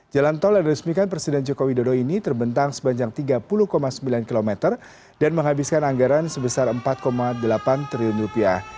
jalan tol yang diresmikan presiden joko widodo ini terbentang sepanjang tiga puluh sembilan km dan menghabiskan anggaran sebesar empat delapan triliun rupiah